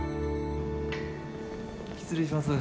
失礼します。